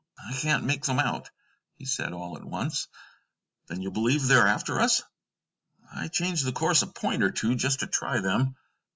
"I can't make them out," he said, all at once. "Then you believe they're after us?" "I changed the course a point or two, just to try them."